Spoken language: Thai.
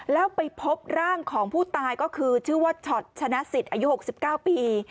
แล้วไปพบร่างของผู้ตายก็คือช็อตชนะศิษย์อายุ๖๙ปี